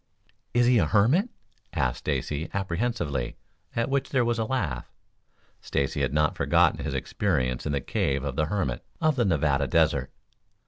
"Is he a hermit?" asked Stacy apprehensively, at which there was a laugh. Stacy had not forgotten his experiences in the cave of the hermit of the Nevada Desert.